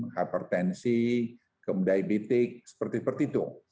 hipertensi kemudian di bitik seperti seperti itu